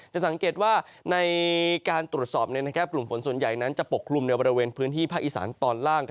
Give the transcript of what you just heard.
จะสังเกตว่าในการตรวจสอบกลุ่มฝนส่วนใหญ่นั้นจะปกคลุมในบริเวณพื้นที่ภาคอีสานตอนล่าง